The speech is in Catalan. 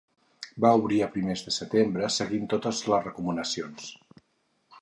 Va obrir a primers de setembre seguint totes les recomanacions.